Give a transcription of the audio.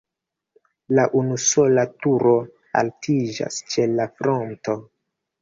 La unusola turo altiĝas ĉe la fronto.